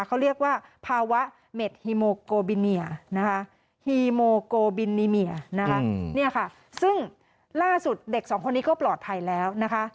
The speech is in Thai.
เขาเรียกว่าภาวะเม็ดฮีโมโกบิเนียร์ฮีโมโกบิเนียร์ซึ่งล่าสุดเด็ก๒คนนี้ก็ปลอดภัยแล้วนะคะ